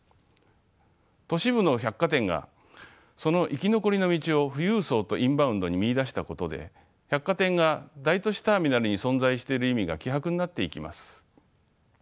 都市部の百貨店がその生き残りの道を富裕層とインバウンドに見いだしたことで百貨店が大都市ターミナルに存在している意味が希薄になっていきます。